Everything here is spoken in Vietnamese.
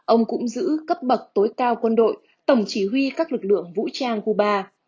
ông cũng giữ cấp bậc tối cao quân đội tổng chỉ huy các lực lượng vũ trang cuba